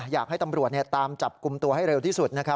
อยากให้ตำรวจตามจับกลุ่มตัวให้เร็วที่สุด